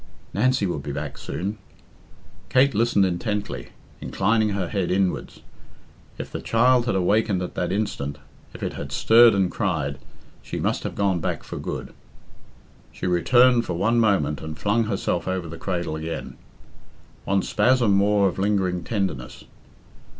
Nancy would be back soon. Kate listened intently, inclining her head inwards. If the child had awakened at that instant, if it had stirred and cried, she must have gone back for good. She returned for one moment and flung herself over the cradle again. One spasm more of lingering tenderness.